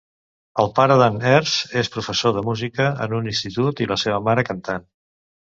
El pare d'en Hest és professor de música en un institut i la seva mare cantant.